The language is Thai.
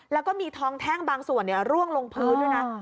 แล้วก็มีทองแท่งบางส่วนร่วงลงพื้นด้วยนะ